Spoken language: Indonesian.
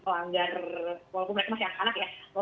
langgar walaupun mereka masih anak anak ya